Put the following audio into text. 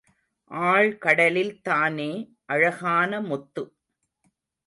ஆழ்கடலில்தானே அழகான முத்து!